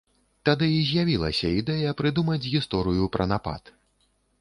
Тады і з'явілася ідэя прыдумаць гісторыю пра напад.